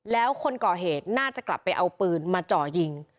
แล้วคนก่อเหตุน่าจะกลับไปเอาปืนมาจ่อยิง